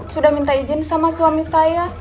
sudah minta izin sama suami saya